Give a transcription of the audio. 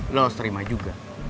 lo harus terima juga